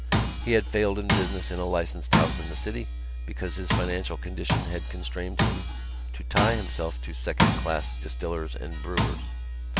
He had failed in business in a licensed house in the city because his financial condition had constrained him to tie himself to second class distillers and brewers.